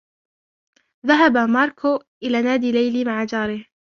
ذهب ماركو الي نادي ليلي مع جاره